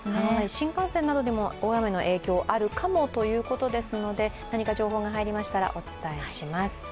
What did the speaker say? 新幹線などでも大雨の影響あるかもということですので何か情報が入りましたらお伝えします。